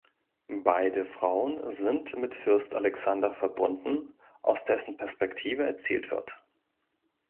Beide Frauen sind mit Fürst Alexander verbunden, aus dessen Perspektive erzählt wird.